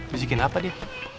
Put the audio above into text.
bisa bikin apa dia